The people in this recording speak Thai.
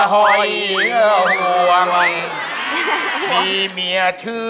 เฮีย